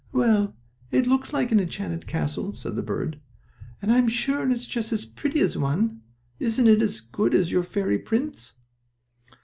"Well, it looks like an enchanted castle," said the bird, "and I'm sure it's just as pretty as one. Isn't it as good as your fairy prince?"